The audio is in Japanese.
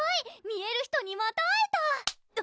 見える人にまた会えた！